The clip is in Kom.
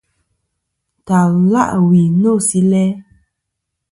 Ntal la' wi no si læ.